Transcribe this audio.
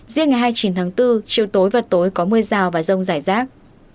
riêng ngày hai mươi chín tháng bốn chiều tối và tối có mưa rào và rông rải rác